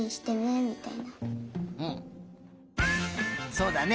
そうだね